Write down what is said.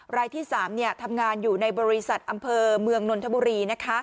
รายที่๓ทำงานอยู่ในบริษัทอำเภอเมืองนนทบุรี